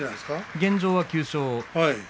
現状は９勝。